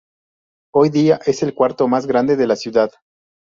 Hoy día es el cuarto más grande de la ciudad.